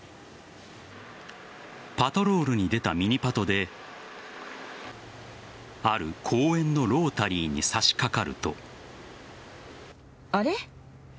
パトロールに出たミニパトである公園のロータリーに差し掛かると。